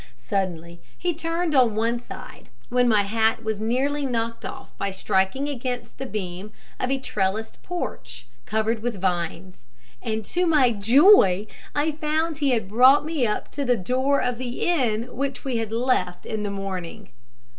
Suddenly he turned on one side, when my hat was nearly knocked off by striking against the beam of a trellised porch, covered with vines; and to my joy I found that he had brought me up to the door of the inn which we had left in the morning.